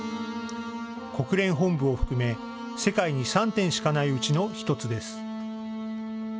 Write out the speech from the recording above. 国連本部を含め世界に３点しかないうちの１つです。